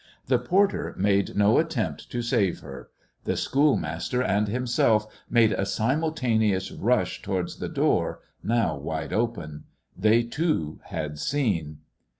The porter made no attempt to save her. The schoolmaster and himself made a simultaneous rush towards the door, now wide open. They, too, had seen.